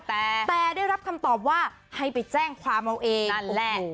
แต่ได้รับคำตอบว่าให้ไปแจ้งความเอาเอง